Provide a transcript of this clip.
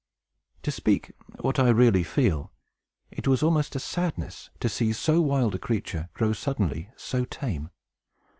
To speak what I really feel, it was almost a sadness to see so wild a creature grow suddenly so tame.